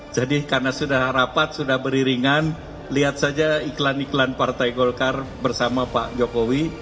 jadi karena sudah rapat sudah beriringan lihat saja iklan iklan partai golkar bersama pak jokowi